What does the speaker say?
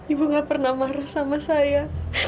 ibu gak pernah marah sama saya